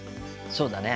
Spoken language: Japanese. そうだね。